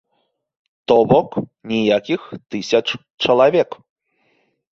То бок, ніякіх тысяч чалавек.